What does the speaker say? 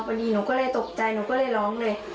หนูก็เลยตกใจหนูก็เลยร้องเลย